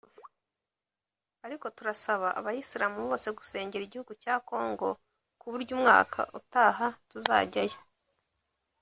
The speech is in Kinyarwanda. ariko turasaba Abayisilamu bose gusengera igihugu cya Congo ku buryo umwaka utaha tuzajyayo